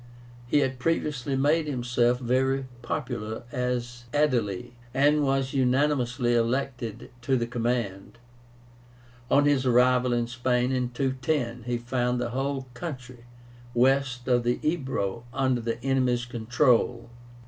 He had previously made himself very popular as Aedile, and was unanimously elected to the command. On his arrival in Spain in 210, he found the whole country west of the Ebro under the enemy's control.